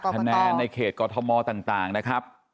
คะแนนในเขตกรทมต่างนะครับ